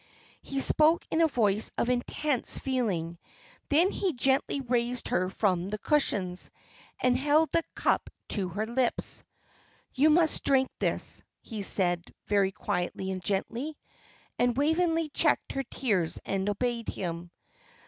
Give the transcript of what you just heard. He spoke in a voice of intense feeling; then he gently raised her from the cushions, and held the cup to her lips. "You must drink this," he said, very quietly and gently. And Waveney checked her tears and obeyed him.